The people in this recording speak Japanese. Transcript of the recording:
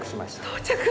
到着。